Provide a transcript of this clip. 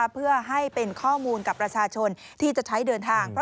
เพื่อให้เป็นข้อมูลกับประชาชนที่จะใช้เดินทาง